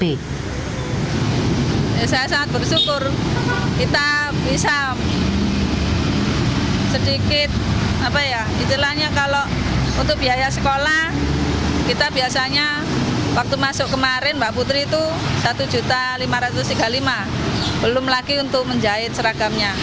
saya sangat bersyukur kita bisa sedikit apa ya istilahnya kalau untuk biaya sekolah kita biasanya waktu masuk kemarin mbak putri itu satu lima ratus tiga puluh lima belum lagi untuk menjahit seragamnya